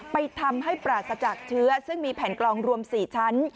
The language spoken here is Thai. ไปทำให้ปราศจากเชื้อซึ่งมีแผ่นกลองรวม๔ชั้น